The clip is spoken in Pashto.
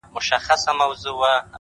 ماته به بله موضوع پاته نه وي _